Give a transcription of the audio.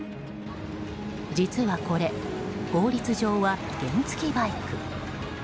実はこれ、法律上は原付きバイク。